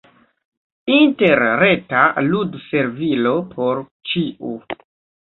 Interreta ludservilo por ĉiu.